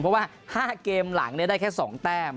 เพราะว่า๕เกมหลังได้แค่๒แต้ม